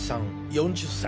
４０歳。